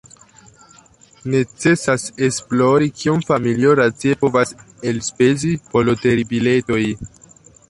Necesas esplori kiom familio racie povas elspezi por loteribiletoj.